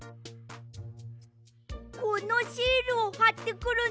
このシールをはってくるんだ。